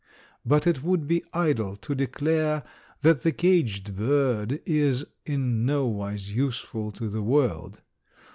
But it would be idle to declare that the caged bird is in nowise useful to the world.